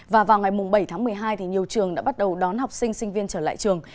và vào ngày bảy tháng một mươi hai thì nhiều trường đã bắt đầu đón học sinh sinh viên trở lại trường